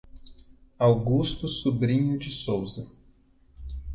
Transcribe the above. Augusto Sobrinho de Souza